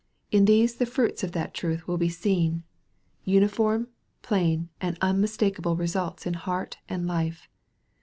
In these the fruits of that, truth will be MARK, CHAP. IV. 67 seen 'Uniform, plain, and unmistakeable results in heart and life.